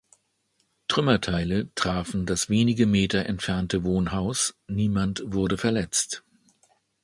Trümmerteile trafen das wenige Meter entfernte Wohnhaus; niemand wurde verletzt.